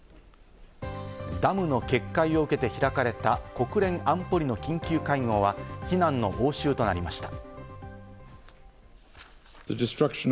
ダムの決壊を受けて開かれた、国連安保理の緊急会合は非難の応酬となりました。